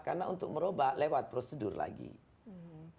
karena untuk meroba lewat prosedur lain